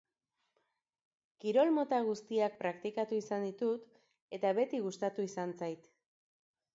Kirol mota guztiak praktikatu izan ditut eta beti gustatu izan zait.